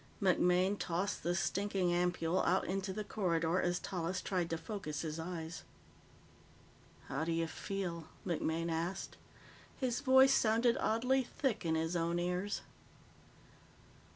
MacMaine tossed the stinking ampoule out into the corridor as Tallis tried to focus his eyes. "How do you feel?" MacMaine asked. His voice sounded oddly thick in his own ears.